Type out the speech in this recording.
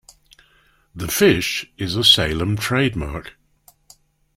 The Fish is a Salem trademark.